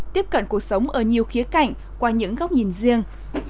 tiếp cận cuộc sống ở nhiều khía cạnh qua những góc nhìn riêng